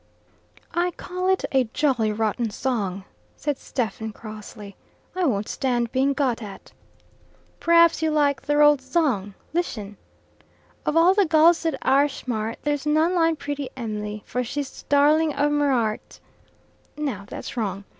"I call it a jolly rotten song," said Stephen crossly. "I won't stand being got at." "P'r'aps y'like therold song. Lishen. "'Of all the gulls that arsshmart, There's none line pretty Em'ly; For she's the darling of merart'" "Now, that's wrong."